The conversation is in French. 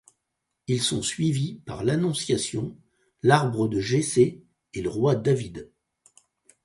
Ils sont suivis par l'Annonciation, l'Arbre de Jessé et le roi David.